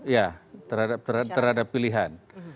ya terhadap pilihan